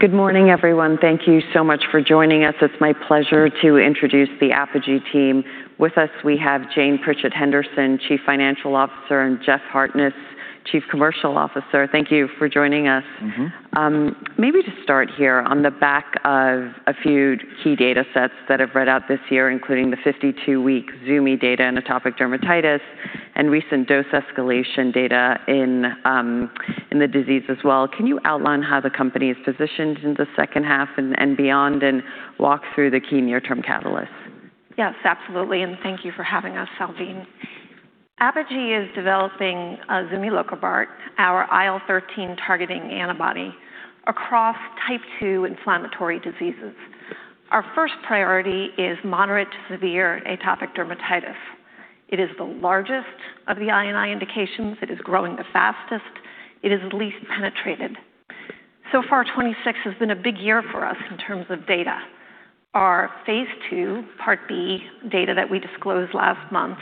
Good morning, everyone. Thank you so much for joining us. It's my pleasure to introduce the Apogee team. With us, we have Jane Pritchett Henderson, Chief Financial Officer, and Jeff Hartness, Chief Commercial Officer. Thank you for joining us. Maybe to start here on the back of a few key data sets that have read out this year, including the 52-week zumi data in atopic dermatitis and recent dose escalation data in the disease as well, can you outline how the company is positioned in the second half and beyond, and walk through the key near-term catalysts? Yes, absolutely and thank you for having us, Salveen. Apogee is developing a zumilokibart, our IL-13 targeting antibody, across Type 2 inflammatory diseases. Our first priority is moderate to severe atopic dermatitis. It is the largest of the I&I indications. It is growing the fastest. It is least penetrated. So far, 2026 has been a big year for us in terms of data. Our phase II part B data that we disclosed last month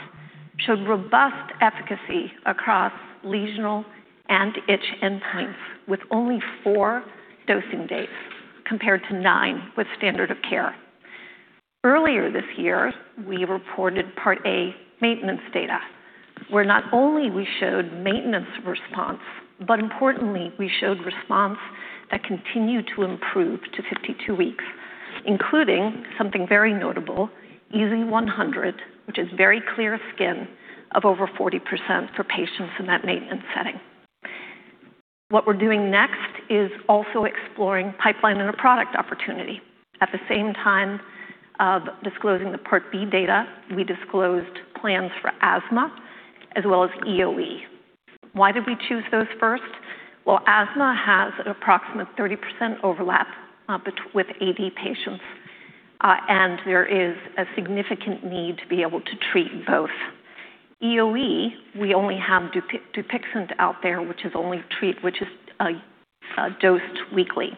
showed robust efficacy across lesional and itch endpoints with only four dosing dates, compared to nine with standard of care. Earlier this year, we reported part A maintenance data, where not only we showed maintenance response, but importantly, we showed response that continued to improve to 52 weeks, including something very notable, EASI-100, which is very clear skin of over 40% for patients in that maintenance setting. What we're doing next is also exploring pipeline-in-a-product opportunity. At the same time of disclosing the part B data, we disclosed plans for asthma as well as EoE. Why did we choose those first? Asthma has an approximate 30% overlap with AD patients, and there is a significant need to be able to treat both. EoE, we only have DUPIXENT out there, which is only, which is dosed weekly.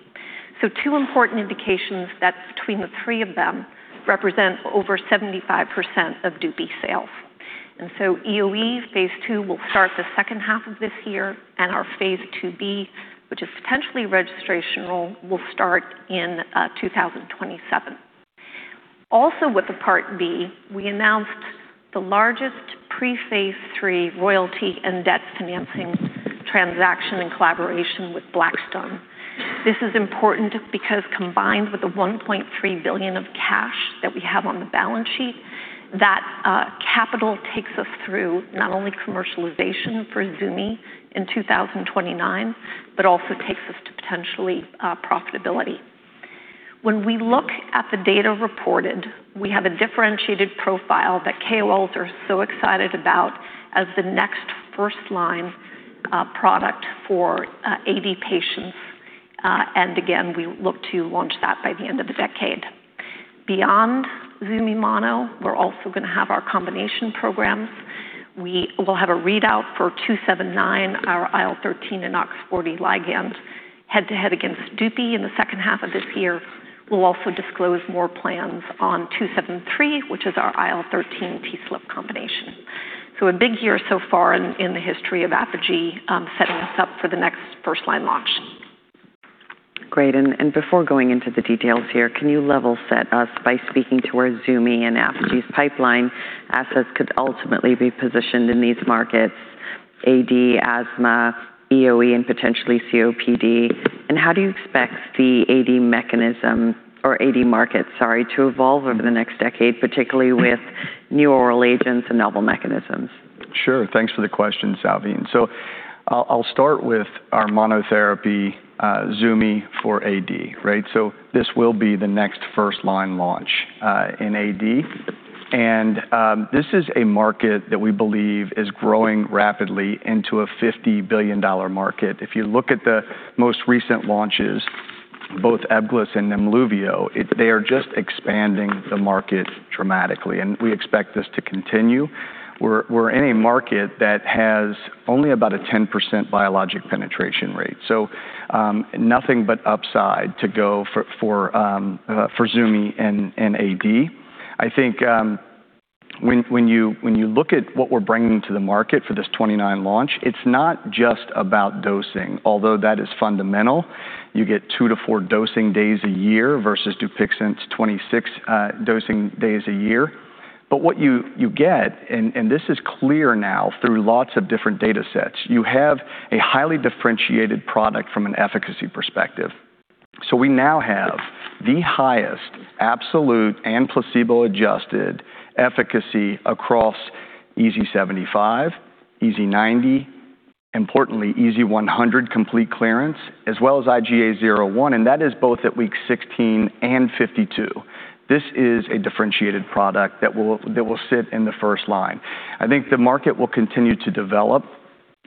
Two important indications that between the three of them represent over 75% of DUPI sales. EoE phase II will start the second half of this year, and our phase II-B, which is potentially registrational, will start in 2027. Also, with the part B, we announced the largest pre-phase III royalty and debt financing transaction in collaboration with Blackstone. This is important because combined with the $1.3 billion of cash that we have on the balance sheet, that capital takes us through not only commercialization for zumi in 2029 but also takes us to potentially profitability. When we look at the data reported, we have a differentiated profile that KOLs are so excited about as the next first-line product for AD patients. Again, we look to launch that by the end of the decade. Beyond zumi mono, we're also going to have our combination programs. We will have a readout for 279, our IL-13 and OX40 ligand, head-to-head against DUPI in the second half of this year. We'll also disclose more plans on 273, which is our IL-13 TSLP combination. A big year so far in the history of Apogee, setting us up for the next first-line launch. Great and before going into the details here, can you level set us by speaking to where zumi and Apogee's pipeline assets could ultimately be positioned in these markets, AD, asthma, EoE, and potentially COPD? And how do you expect the AD mechanism or AD market, sorry, to evolve over the next decade, particularly with new oral agents and novel mechanisms? Sure. Thanks for the question, Salveen. I'll start with our monotherapy, zumi, for AD, right? This will be the next first-line launch, in AD. This is a market that we believe is growing rapidly into a $50 billion market. If you look at the most recent launches, both Ebglyss and NEMLUVIO, they are just expanding the market dramatically, and we expect this to continue. We're in a market that has only about a 10% biologic penetration rate, so nothing but upside to go for zumi and AD. I think when you look at what we're bringing to the market for this 2029 launch, it's not just about dosing, although that is fundamental. You get two to four dosing days a year versus DUPIXENT's 26 dosing days a year. But what you get, and this is clear now through lots of different data sets, you have a highly differentiated product from an efficacy perspective. We now have the highest absolute and placebo-adjusted efficacy across EASI-75, EASI-90, importantly, EASI-100 complete clearance, as well as IGA 0/1, and that is both at week 16 and 52. This is a differentiated product that will sit in the first line. I think the market will continue to develop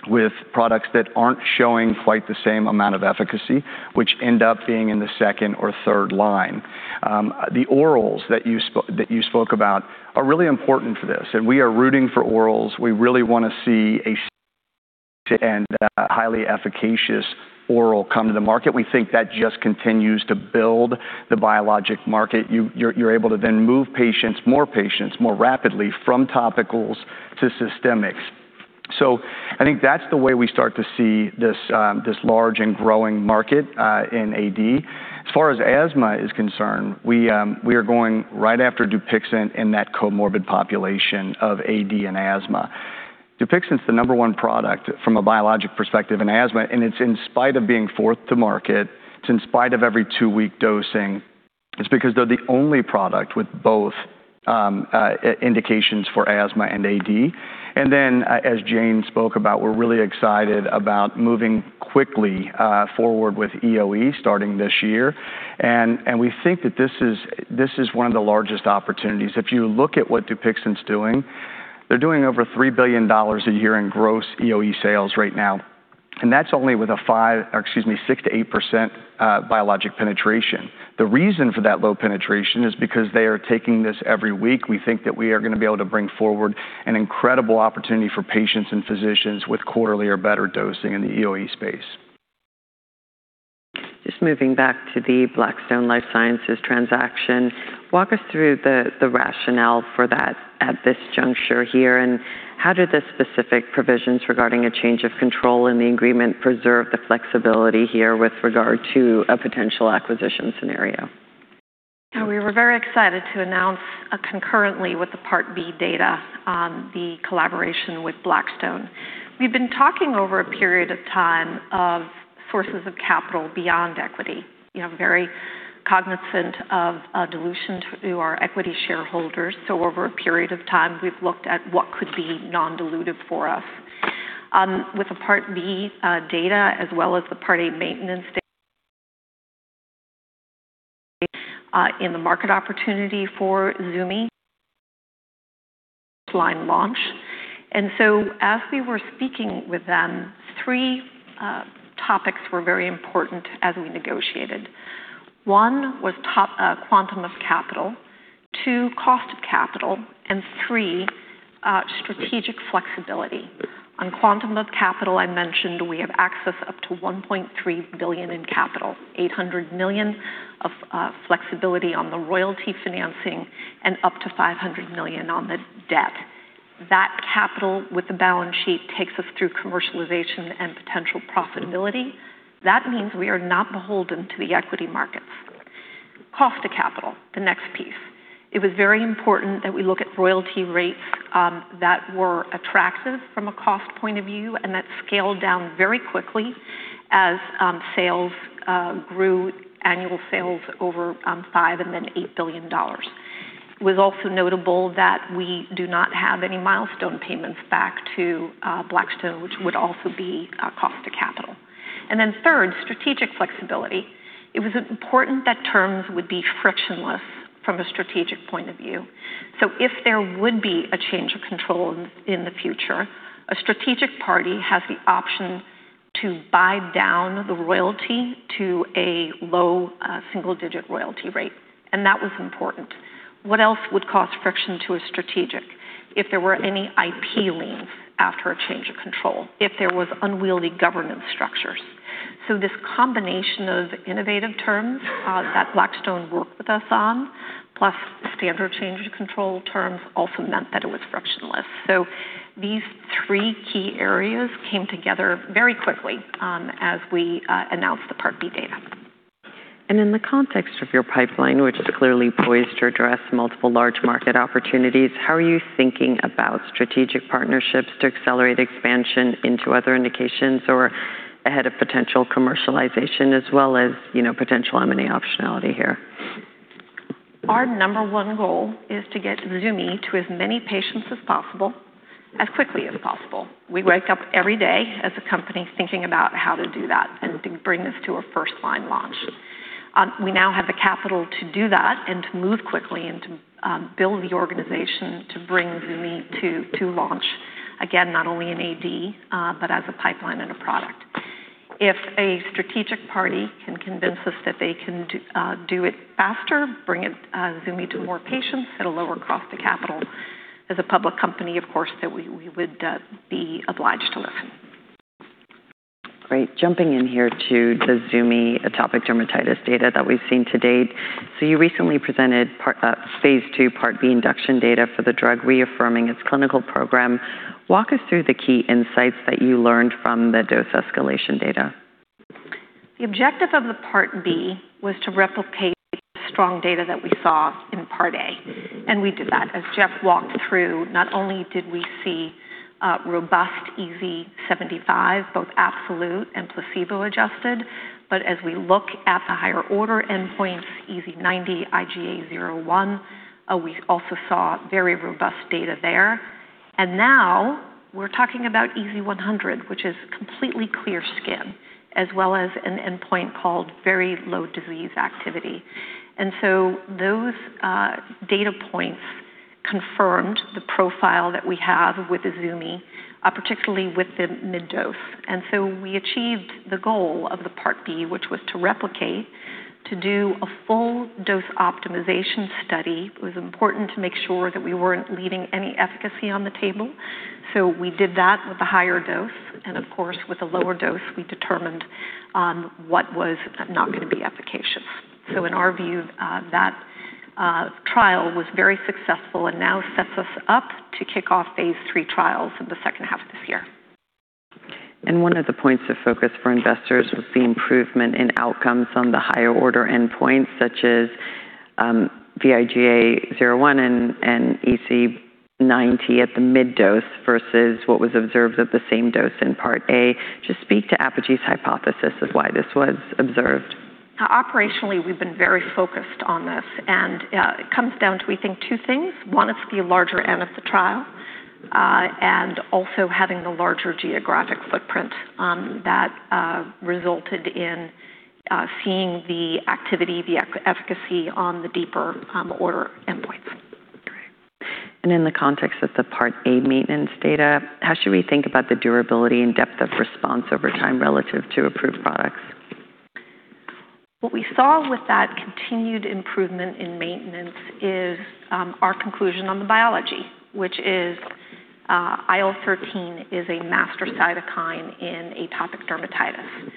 with products that aren't showing quite the same amount of efficacy, which end up being in the second or third line. The orals that you spoke about are really important for this, and we are rooting for orals. We really want to see a highly efficacious oral come to the market. We think that just continues to build the biologic market. You're able to then move patients, more patients, more rapidly from topicals to systemics. I think that's the way we start to see this large and growing market in AD. As far as asthma is concerned, we are going right after DUPIXENT in that comorbid population of AD and asthma. DUPIXENT's the number one product from a biologic perspective in asthma, and it's in spite of being fourth to market, it's in spite of every two-week dosing. It's because they're the only product with both indications for asthma and AD. As Jane spoke about, we're really excited about moving quickly forward with EoE starting this year. We think that this is one of the largest opportunities. If you look at what DUPIXENT's doing, they're doing over $3 billion a year in gross EoE sales right now, and that's only with a 6%-8% biologic penetration. The reason for that low penetration is because they are taking this every week. We think that we are going to be able to bring forward an incredible opportunity for patients and physicians with quarterly or better dosing in the EoE space. Just moving back to the Blackstone Life Sciences transaction, walk us through the rationale for that at this juncture here, and how do the specific provisions regarding a change of control in the agreement preserve the flexibility here with regard to a potential acquisition scenario? We were very excited to announce concurrently with the part B data, the collaboration with Blackstone. We've been talking over a period of time of sources of capital beyond equity. Very cognizant of dilution to our equity shareholders, so over a period of time, we've looked at what could be non-dilutive for us. With the part B data as well as the part A maintenance data in the market opportunity for zumi line launch. As we were speaking with them, three topics were very important as we negotiated: one was quantum of capital; two, cost of capital; and three, strategic flexibility. On quantum of capital, I mentioned we have access up to $1.3 billion in capital, $800 million of flexibility on the royalty financing, and up to $500 million on the debt. That capital with the balance sheet takes us through commercialization and potential profitability. That means we are not beholden to the equity markets. Cost of capital, the next piece. It was very important that we look at royalty rates that were attractive from a cost point of view, and that scaled down very quickly as sales grew, annual sales over $5 billion and then $8 billion. It was also notable that we do not have any milestone payments back to Blackstone, which would also be a cost to capital. Then, third, strategic flexibility. It was important that terms would be frictionless from a strategic point of view. If there would be a change of control in the future, a strategic party has the option to buy down the royalty to a low single-digit royalty rate, and that was important. What else would cause friction to a strategic if there were any IP liens after a change of control, if there was unwieldy governance structures? This combination of innovative terms that Blackstone worked with us on, plus standard change of control terms also meant that it was frictionless. These three key areas came together very quickly as we announced the part B data. In the context of your pipeline, which is clearly poised to address multiple large market opportunities, how are you thinking about strategic partnerships to accelerate expansion into other indications or ahead of potential commercialization, as well as potential M&A optionality here? Our number one goal is to get zumi to as many patients as possible, as quickly as possible. We wake up every day as a company thinking about how to do that and to bring this to a first-line launch. We now have the capital to do that and to move quickly and to build the organization to bring zumi to launch, again, not only in AD, but as a pipeline and a product. If a strategic party can convince us that they can do it faster, bring zumi to more patients at a lower cost to capital, as a public company, of course, that we would be obliged to listen. Great. Jumping in here to the zumi atopic dermatitis data that we've seen to date. You recently presented phase II part B induction data for the drug, reaffirming its clinical program. Walk us through the key insights that you learned from the dose escalation data. The objective of the part B was to replicate the strong data that we saw in part A, and we did that. As Jeff walked through, not only did we see robust EASI-75, both absolute and placebo adjusted, but as we look at the higher order endpoints, EASI-90, IGA 0/1, we also saw very robust data there. Now, we're talking about EASI-100, which is completely clear skin, as well as an endpoint called very low disease activity. Those data points confirmed the profile that we have with zumi, particularly with the mid-dose. We achieved the goal of the part B, which was to replicate, to do a full dose optimization study. It was important to make sure that we weren't leaving any efficacy on the table. We did that with a higher dose, and of course, with a lower dose, we determined what was not going to be efficacious. In our view, that trial was very successful and now sets us up to kick off phase III trials in the second half of this year. One of the points of focus for investors was the improvement in outcomes on the higher order endpoints, such as vIGA 0/1 and EASI-90 at the mid dose versus what was observed at the same dose in part A. Just speak to Apogee's hypothesis of why this was observed. Operationally, we've been very focused on this. It comes down to, we think, two things. One is the larger end of the trial and also having the larger geographic footprint that resulted in seeing the activity, the efficacy on the deeper order endpoints. Great. In the context of the part A maintenance data, how should we think about the durability and depth of response over time relative to approved products? What we saw with that continued improvement in maintenance is our conclusion on the biology, which is IL-13 is a master cytokine in atopic dermatitis.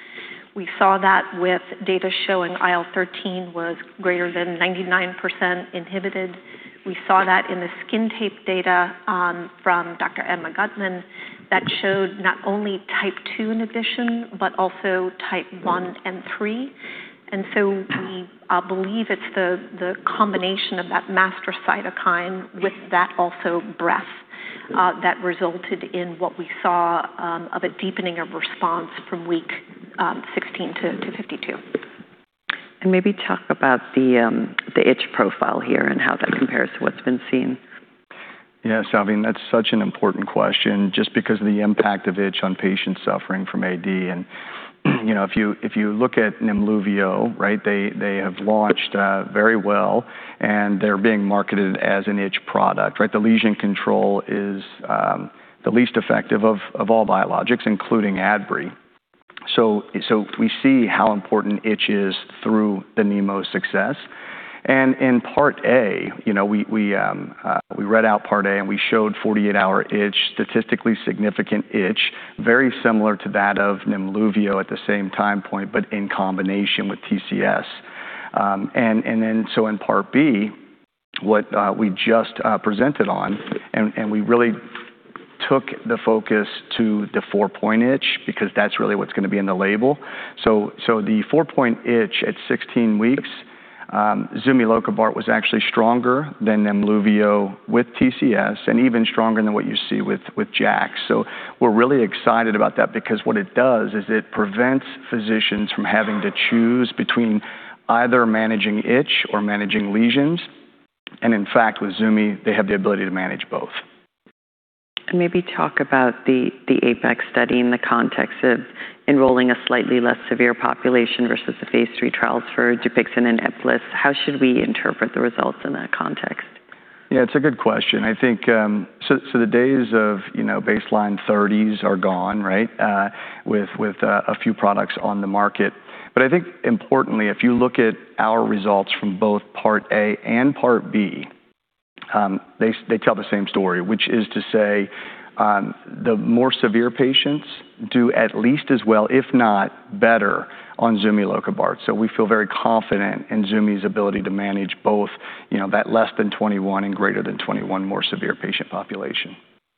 We saw that with data showing IL-13 was greater than 99% inhibited. We saw that in the skin tape data from Dr. Emma Guttman that showed not only Type 2 in addition but also Type 1 and 3. So, we believe it's the combination of that master cytokine with that also breadth that resulted in what we saw of a deepening of response from week 16 to 52. Maybe talk about the itch profile here and how that compares to what's been seen. Yeah. Salveen, that's such an important question just because of the impact of itch on patients suffering from AD. If you look at NEMLUVIO, right, they have launched very well, and they're being marketed as an itch product. The lesion control is the least effective of all biologics, including Adbry. We see how important itch is through the NEMLUVIO success. In part A, we read out part A, and we showed 48-hour itch, statistically significant itch, very similar to that of NEMLUVIO at the same time point, but in combination with TCS. In part B, what we just presented on, and we really took the focus to the four-point itch because that's really what's going to be in the label, so the 4-point itch at 16 weeks, zumilokibart was actually stronger than NEMLUVIO with TCS and even stronger than what you see with JAKs. We're really excited about that because what it does is it prevents physicians from having to choose between either managing itch or managing lesions. In fact, with zumi, they have the ability to manage both. Maybe talk about the APEX study in the context of enrolling a slightly less severe population versus the phase III trials for DUPIXENT and Ebglyss. How should we interpret the results in that context? Yeah. It's a good question. I think, so the days of baseline 30s are gone, right, with a few products on the market. But I think, importantly, if you look at our results from both part A and part B, they tell the same story, which is to say the more severe patients do at least as well, if not better, on zumilokibart. So, we feel very confident in zumi's ability to manage both that less than 21 and greater than 21 more severe patient population.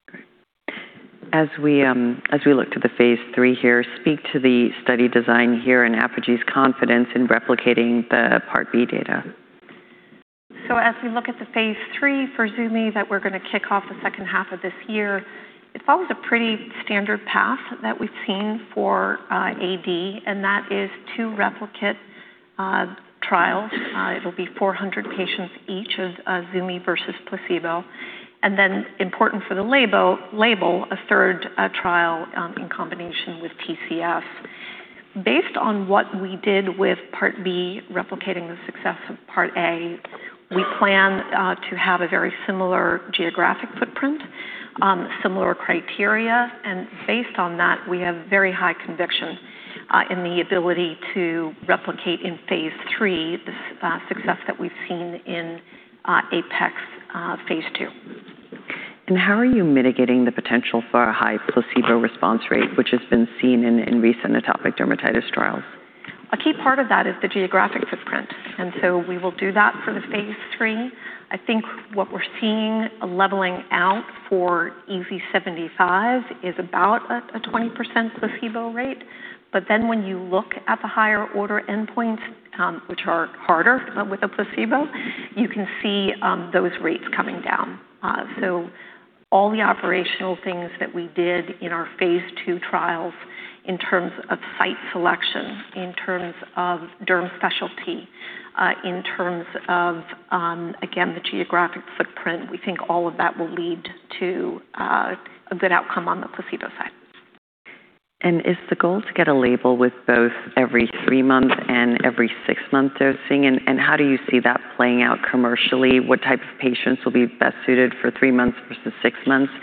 Great. As we look to the phase III here, speak to the study design here and Apogee's confidence in replicating the part B data. As we look at the phase III for zumi that we're going to kick off the second half of this year, it follows a pretty standard path that we've seen for AD, and that is two replicate trials. It'll be 400 patients each of zumi versus placebo. Then, important for the label, a third trial in combination with TCS. Based on what we did with part B, replicating the success of part A, we plan to have a very similar geographic footprint, similar criteria, and based on that, we have very high conviction in the ability to replicate in phase III the success that we've seen in APEX phase II. How are you mitigating the potential for a high placebo response rate, which has been seen in recent atopic dermatitis trials? A key part of that is the geographic footprint. We will do that for the phase III. I think what we're seeing a leveling out for EASI-75 is about a 20% placebo rate. But then, when you look at the higher order endpoints, which are harder with a placebo, you can see those rates coming down. All the operational things that we did in our phase II trials in terms of site selection, in terms of derm specialty, in terms of, again, the geographic footprint, we think all of that will lead to a good outcome on the placebo side. Is the goal to get a label with both every three month and every six-month dosing? How do you see that playing out commercially? What type of patients will be best suited for three months versus six months?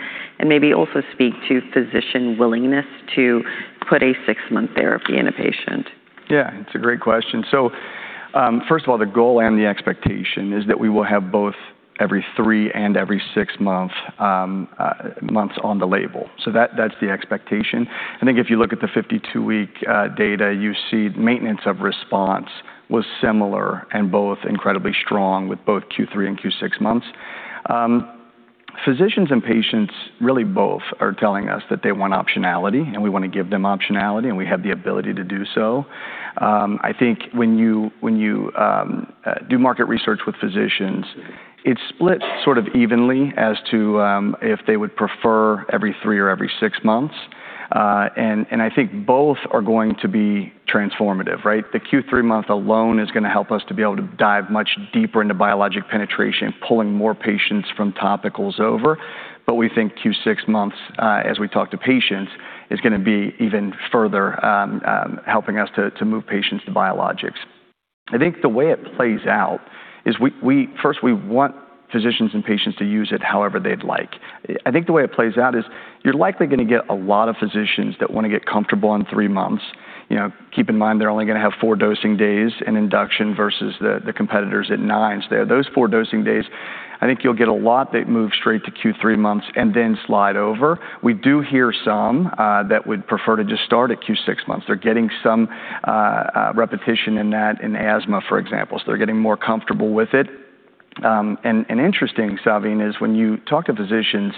Maybe, also speak to physician willingness to put a six-month therapy in a patient. Yeah, it's a great question. First of all, the goal and the expectation is that we will have both every three and every six months on the label. That's the expectation. I think if you look at the 52-week data, you see maintenance of response was similar and both incredibly strong with both Q3 and Q6 months. Physicians and patients really both are telling us that they want optionality, and we want to give them optionality, and we have the ability to do so. I think when you do market research with physicians, it's split sort of evenly as to if they would prefer every three or every six months. I think both are going to be transformative, right? The Q3 month alone is going to help us to be able to dive much deeper into biologic penetration, pulling more patients from topicals over. We think Q6 months, as we talk to patients, is going to be even further helping us to move patients to biologics. I think the way it plays out is first, we want physicians and patients to use it however they'd like. I think the way it plays out is you're likely going to get a lot of physicians that want to get comfortable on three months. Keep in mind they're only going to have four dosing days in induction versus the competitors at nine. Those four dosing days, I think you'll get a lot that move straight to Q3 months and then slide over. We do hear some that would prefer to just start at Q6 months. They're getting some repetition in that, in asthma, for example. They're getting more comfortable with it. And interesting, Salveen, is when you talk to physicians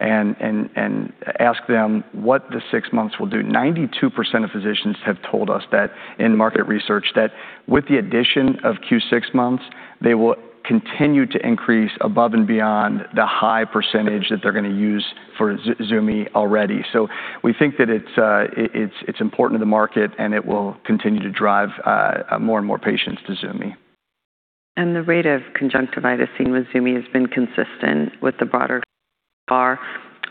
and ask them what the six months will do, 92% of physicians have told us in market research that with the addition of Q6 months, they will continue to increase above and beyond the high percentage that they're going to use for zumi already. We think that it's important to the market and it will continue to drive more and more patients to zumi. The rate of conjunctivitis seen with zumi has been consistent with the broader bar.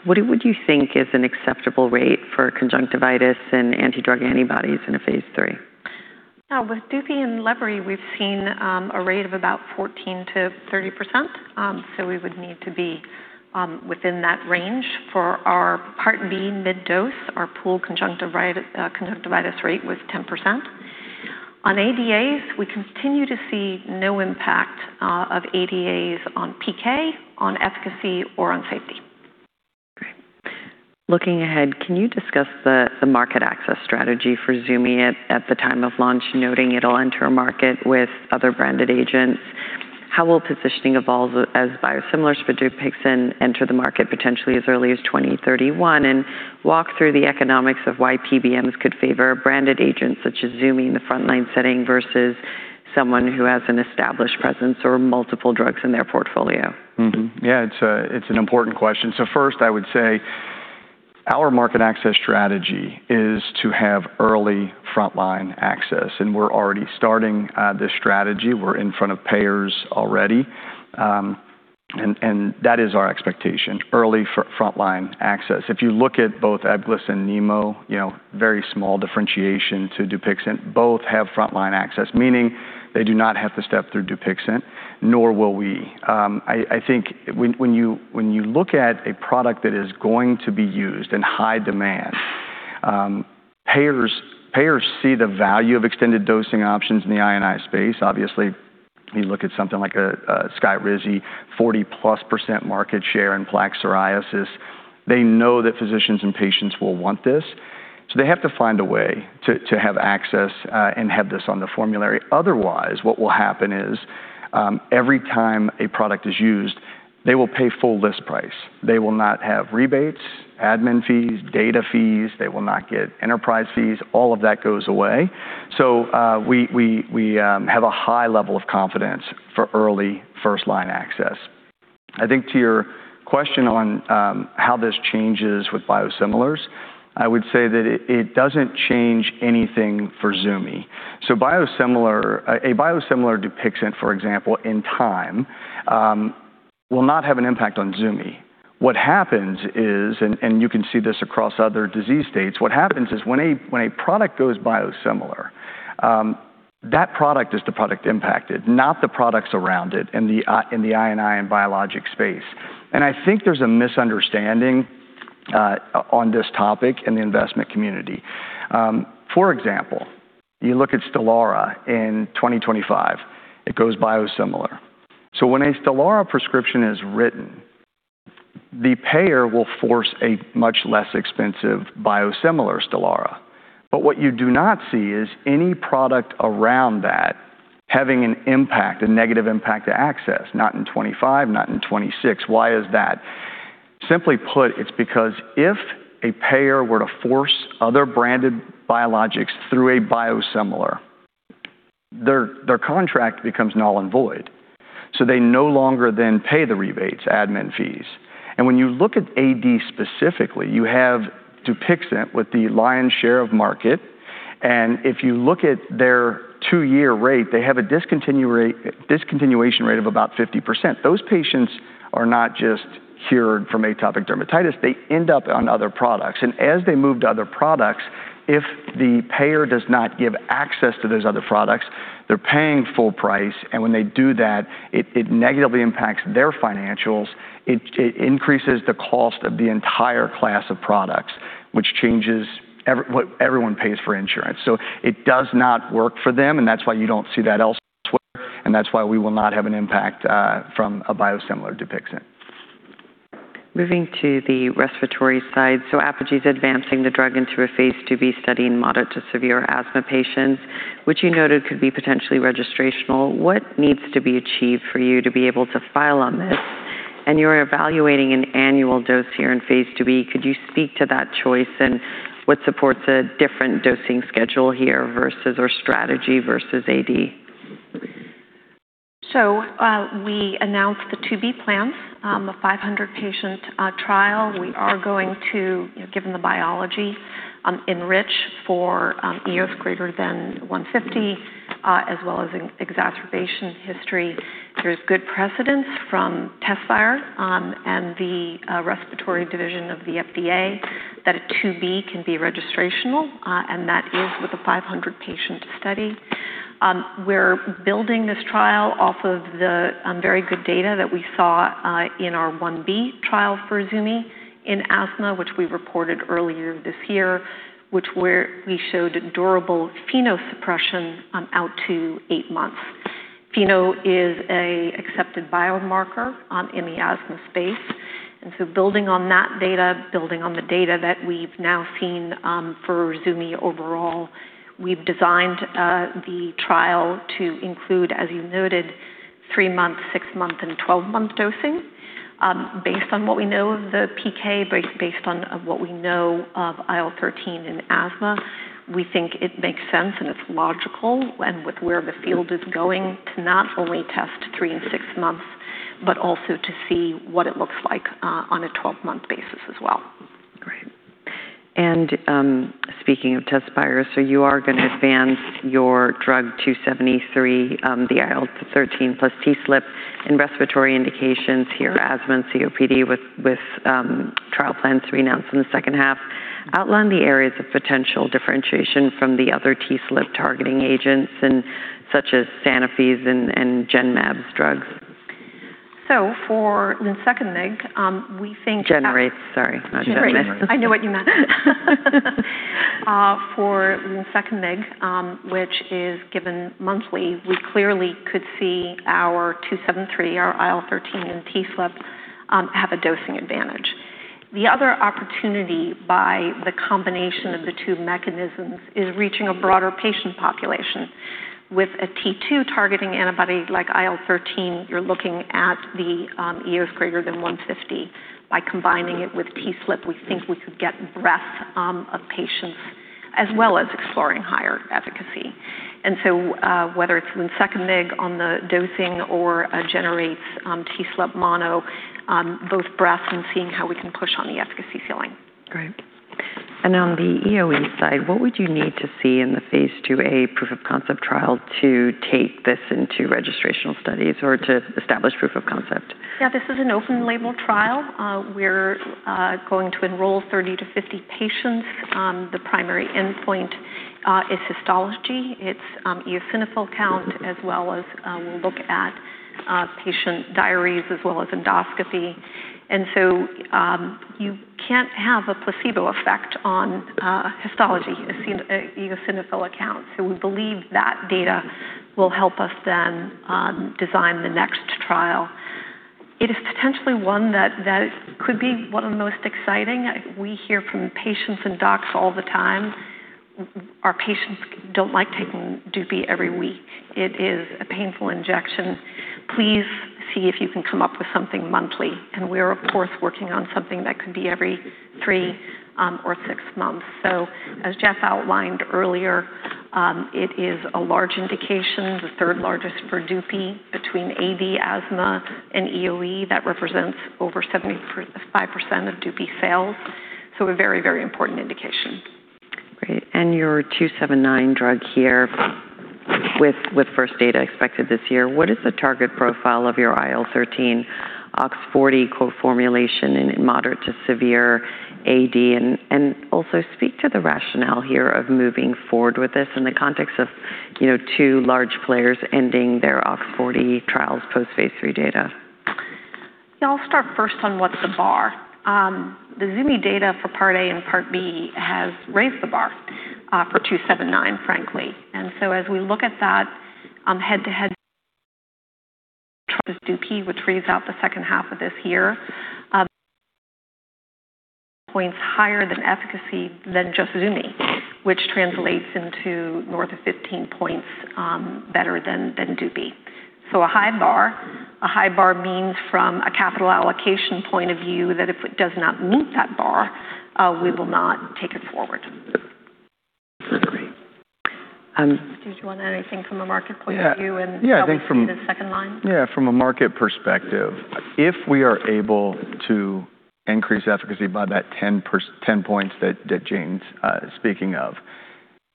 What would you think is an acceptable rate for conjunctivitis and anti-drug antibodies in a phase III? With DUPI and lebri, we've seen a rate of about 14%-30%, so we would need to be within that range. For our part B mid-dose, our pool conjunctivitis rate was 10%. On ADAs, we continue to see no impact of ADAs on PK, on efficacy or on safety. Great. Looking ahead, can you discuss the market access strategy for zumi at the time of launch, noting it'll enter a market with other branded agents? How will positioning evolve as biosimilars for DUPIXENT enter the market potentially as early as 2031? Walk through the economics of why PBMs could favor branded agents such as zumi in the frontline setting versus someone who has an established presence or multiple drugs in their portfolio. Yeah, it's an important question. First, I would say, our market access strategy is to have early frontline access, and we're already starting this strategy. We're in front of payers already, and that is our expectation, early frontline access. If you look at both Ebglyss and NEMLUVIO, very small differentiation to DUPIXENT. Both have frontline access, meaning, they do not have to step through DUPIXENT, nor will we. I think when you look at a product that is going to be used in high demand, payers see the value of extended dosing options in the I&I space. Obviously, when you look at something like a SKYRIZI, 40%+ market share in plaque psoriasis. They know that physicians and patients will want this, so they have to find a way to have access and have this on the formulary. Otherwise, what will happen is, every time a product is used, they will pay full list price. They will not have rebates, admin fees, data fees. They will not get enterprise fees. All of that goes away. We have a high level of confidence for early first-line access. I think to your question on how this changes with biosimilars, I would say that it doesn't change anything for zumi. A biosimilar DUPIXENT, for example, in time, will not have an impact on zumi. What happens is, and you can see this across other disease states, what happens is when a product goes biosimilar, that product is the product impacted, not the products around it in the I&I and biologic space. And I think there's a misunderstanding on this topic in the investment community. For example, you look at STELARA in 2025, it goes biosimilar. When a STELARA prescription is written, the payer will force a much less expensive biosimilar STELARA. What you do not see is any product around that having an impact, a negative impact to access. Not in 2025, not in 2026. Why is that? Simply put, it's because if a payer were to force other branded biologics through a biosimilar, their contract becomes null and void. They no longer then pay the rebates, admin fees. When you look at AD specifically, you have DUPIXENT with the lion's share of market, and if you look at their two-year rate, they have a discontinuation rate of about 50%. Those patients are not just cured from atopic dermatitis. They end up on other products. As they move to other products, if the payer does not give access to those other products, they're paying full price. When they do that, it negatively impacts their financials. It increases the cost of the entire class of products, which changes what everyone pays for insurance. It does not work for them, and that's why you don't see that elsewhere, and that's why we will not have an impact from a biosimilar DUPIXENT. Moving to the respiratory side. Apogee is advancing the drug into a phase II-B study in moderate to severe asthma patients, which you noted could be potentially registrational. What needs to be achieved for you to be able to file on this? And you're evaluating an annual dose here in phase II-B, could you speak to that choice and what supports a different dosing schedule here or strategy versus AD? We announced the II-B plans, a 500-patient trial. We are going to, given the biology, enrich for EOS greater than 150, as well as exacerbation history. There is good precedence from TEZSPIRE and the respiratory division of the FDA that a II-B can be registrational, and that is with a 500-patient study. We are building this trial off of the very good data that we saw in our I-B trial for zumi in asthma, which we reported earlier this year, where we showed durable FeNO suppression out to eight months. FeNO is an accepted biomarker in the asthma space. Building on that data, building on the data that we have now seen for zumi overall, we have designed the trial to include, as you noted, three-month, six-month, and 12-month dosing. Based on what we know of the PK, based on what we know of IL-13 in asthma, we think it makes sense and it is logical, and with where the field is going to not only test three and six months, but also to see what it looks like on a 12-month basis as well. Great. Speaking of TEZSPIRE, you are going to advance your drug 273, the IL-13 plus TSLP in respiratory indications here, asthma and COPD, with trial plans to be announced in the second half. Outline the areas of potential differentiation from the other TSLP targeting agents such as Sanofi's and Genmab's drugs. For itepekimab, we think. Generate, sorry, not Genmab. Generate. I know what you meant. For itepekimab, which is given monthly, we clearly could see our 273, our IL-13 and TSLP, have a dosing advantage. The other opportunity by the combination of the two mechanisms is reaching a broader patient population. With a T2 targeting antibody like IL-13, you're looking at the EOS greater than 150. Combining it with TSLP, we think we could get breadth of patients, as well as exploring higher efficacy. Whether it's itepekimab on the dosing or Generate's TSLP mono, both breadth and seeing how we can push on the efficacy ceiling. Great. On the EoE side, what would you need to see in the phase II-A proof of concept trial to take this into registrational studies or to establish proof of concept? Yeah, this is an open label trial. We're going to enroll 30-50 patients. The primary endpoint is histology. It's eosinophil count, as well as we'll look at patient diaries, as well as endoscopy. You can't have a placebo effect on histology, eosinophil count. We believe that data will help us then design the next trial. It is potentially one that could be one of the most exciting. We hear from patients and docs all the time. Our patients don't like taking DUPI every week. It is a painful injection. Please see if you can come up with something monthly. We're of course working on something that could be every three or six months. As Jeff outlined earlier, it is a large indication, the third largest for DUPI between AD, asthma, and EoE. That represents over 75% of DUPI sales. So, a very, very important indication. Great. Your 279 drug here with first data expected this year, what is the target profile of your IL-13 OX40 coformulation in moderate to severe AD? Also, speak to the rationale here of moving forward with this in the context of two large players ending their OX40 trials post phase III data. I'll start first on what's the bar. The zumi data for part A and part B has raised the bar for 279, frankly. As we look at that head-to-head with DUPI, which reads out the second half of this year, points higher than efficacy than just zumi, which translates into north of 15 points better than DUPI. So, a high bar. A high bar means from a capital allocation point of view that if it does not meet that bar, we will not take it forward. Great. Did you want anything from a market point of view and probably? Yeah. See the second line? Yeah, from a market perspective, if we are able to increase efficacy by that 10 points that Jane's speaking of,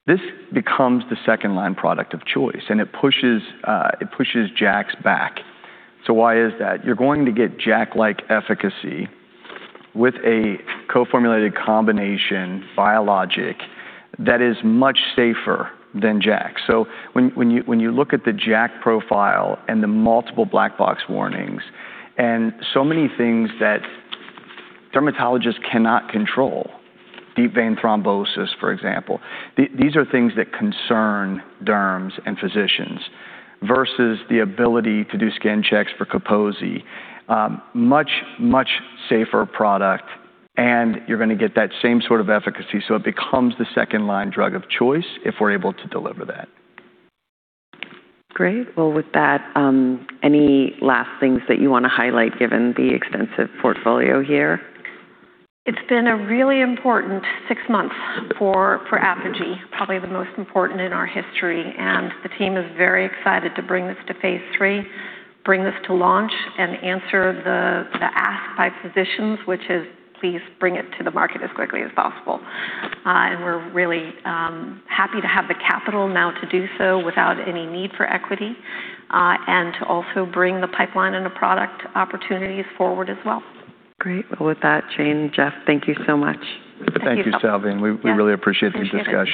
this becomes the second-line product of choice, and it pushes JAKs back. Why is that? You're going to get JAK-like efficacy with a coformulated combination biologic that is much safer than JAK. When you look at the JAK profile and the multiple black box warnings and so many things that dermatologists cannot control, deep vein thrombosis, for example, these are things that concern derms and physicians versus the ability to do skin checks for Kaposi. Much, much safer product, and you're going to get that same sort of efficacy, so it becomes the second-line drug of choice if we're able to deliver that. Great. Well, with that, any last things that you want to highlight given the extensive portfolio here? It's been a really important six months for Apogee, probably the most important in our history. The team is very excited to bring this to phase III, bring this to launch, and answer the ask by physicians, which is, "Please bring it to the market as quickly as possible." We're really happy to have the capital now to do so without any need for equity, and to also bring the pipeline and the product opportunities forward as well. Great. Well, with that, Jane, Jeff, thank you so much. Thank you, Salveen. We really appreciate the discussion.